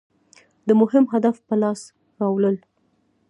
د مهم هدف په لاس راوړل.